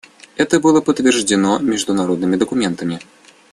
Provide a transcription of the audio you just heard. Это было подтверждено международными документами.